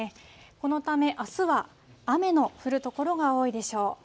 このため、あすは雨の降る所が多いでしょう。